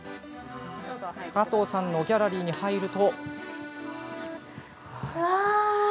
加藤さんのギャラリーに入ると。